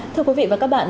thưa quý vị và các bạn